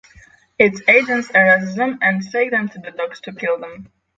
Its agents arrest them and take them to the docks to kill them.